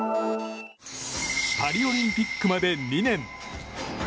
パリオリンピックまで２年。